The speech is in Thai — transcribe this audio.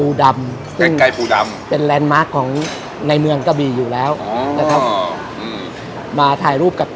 กล้ามถนนมาก็เห็นร้านแล้วครับ